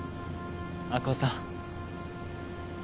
亜子さん。